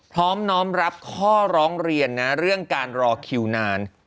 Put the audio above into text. น้อมรับข้อร้องเรียนนะเรื่องการรอคิวนาน